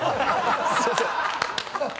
すいません。